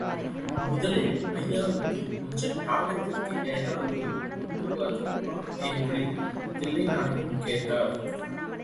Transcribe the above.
முதலில் ஐயாவுக்குக் கொஞ்சம் தாகத்திற்கு ஏதாவது கொண்டுவரட்டுமா? என்று தில்லைநாயகம் கேட்டார்.